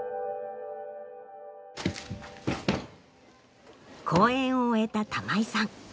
公演を終えた玉井さん。